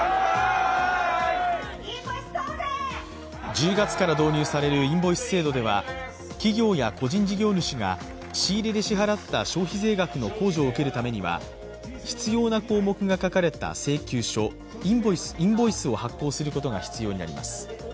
１０月から導入されるインボイス制度では企業や個人事業主が仕入れで支払った消費税額の控除を受けるためには必要な項目が書かれた請求書、インボイスを発行することが必要になります。